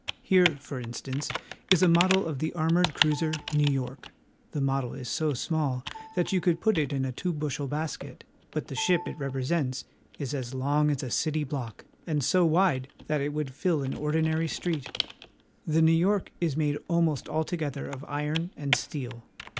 Here, for instance, is a model of the armored cruiser Nezv York. The model is so small that you could put it in a two bushel basket ; but the ship it represents is as long as a city block, and so wide that it would fill an ordinary street. The Neiv York is made almost altogether of iron and steel.